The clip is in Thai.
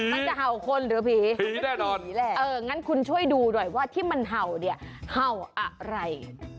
มันจะเห่าคนหรือผีมันก็ผีแหละอย่างนั้นคุณช่วยดูด้วยว่าที่มันเห่าเห่าอะไร